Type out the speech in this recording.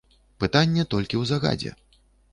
Пытанне толькі ў загадзе.